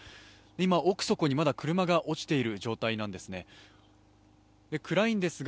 今、奥底に、まだ車が落ちている状態なんですね。